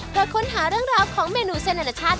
เพราะค้นหาเรื่องราวของเมนูเส้นอนาชาติ